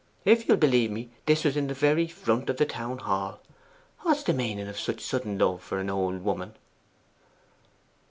If you'll believe me, this was in the very front of the Town Hall. What's the meaning of such sudden love for a' old woman?